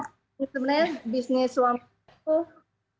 oh sebenarnya bisnis suamaku